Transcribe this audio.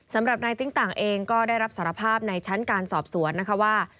สำหรับนายติ๊งต่างเองก็ได้รับสารภาพในชั้นการสอบสวนนะคะว่า